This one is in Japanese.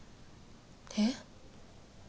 えっ？